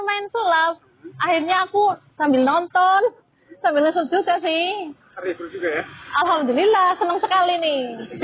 main sulap akhirnya aku sambil nonton sambil lesut juga sih alhamdulillah senang sekali nih